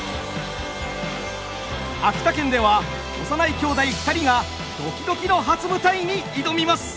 秋田県では幼い兄弟２人がドキドキの初舞台に挑みます。